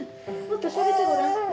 もっとしゃべってごらん。